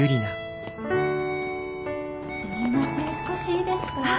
少しいいですか？